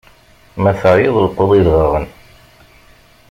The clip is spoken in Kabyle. Ma teεyiḍ lqeḍ idɣaɣen!